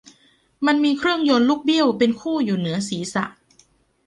มันมีเครื่องยนต์ลูกเบี้ยวเป็นคู่อยู่เหนือศรีษะ